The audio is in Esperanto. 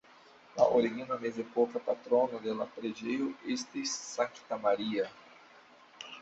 La origina mezepoka patrono de la preĝejo estis Sankta Maria.